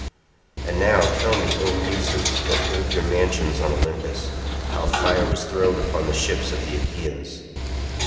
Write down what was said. And now, tell me, O Muses that hold your mansions on Olympus, how fire was thrown upon the ships of the Achaeans.